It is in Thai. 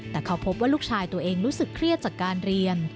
แต่เขาพบว่าลูกชายตัวเองรู้สึกเครียดจากการเรียน